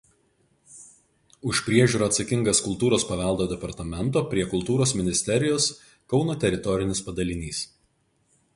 Už priežiūrą atsakingas Kultūros paveldo departamento prie Kultūros ministerijos Kauno teritorinis padalinys.